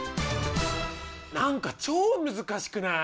何か超難しくない？